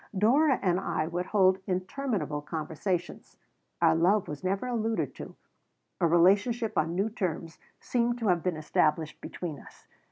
Dora and I would hold interminable conversations. Our love was never alluded to. A relationship on new terms seemed to have been established between us.